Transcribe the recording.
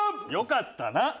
よかったな。